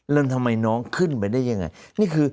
แล้วทำไมน้องขึ้นไปได้ยังไง